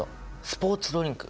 スポーツドリンク！